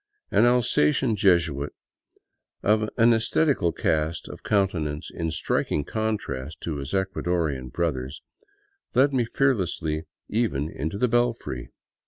An Alsatian Jesuit, of an esthetical cast of countenance in striking contrast to his Ecuadorian brothers, led me fearlessly even into the belfry.